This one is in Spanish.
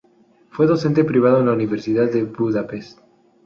Fue docente privado en la Universidad de Budapest.